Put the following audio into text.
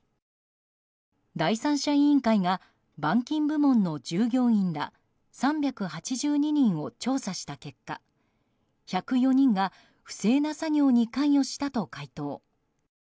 第三者委員会が板金部門の従業員ら３８２人を調査した結果１０４人が不正な作業に関与したと回答。